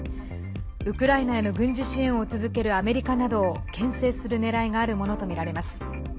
ウクライナへの軍事支援を続けるアメリカなどをけん制するねらいがあるものとみられます。